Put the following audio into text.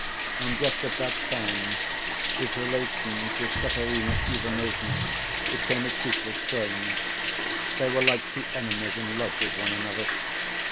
And just at that time his relations with Katerina Ivanovna became acutely strained. They were like two enemies in love with one another.